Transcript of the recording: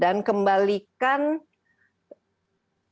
dan kembalikan pengaruh kekuasaan